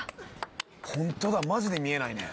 ホントだマジで見えないね。